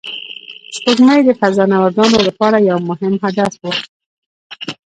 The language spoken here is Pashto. سپوږمۍ د فضانوردانو لپاره یو مهم هدف و